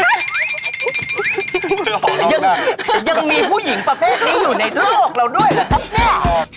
ยังมีผู้หญิงประเภทนี้อยู่ในโลกเราด้วยละครับ